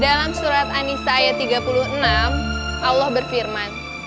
dalam surat anisaya tiga puluh enam allah berfirman